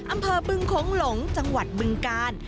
อำเภอบึงโค้งหลงจังหวัดบึงกาล